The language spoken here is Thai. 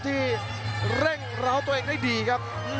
ที่เร่งร้าวตัวเองได้ดีครับ